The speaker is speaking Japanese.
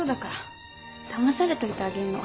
だまされといてあげるの。